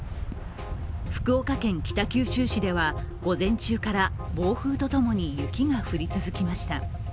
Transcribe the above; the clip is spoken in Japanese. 福岡県北九州市では、午前中から暴風とともに雪が降り続きました。